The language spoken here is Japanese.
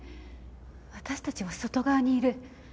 私たちは外側にいる。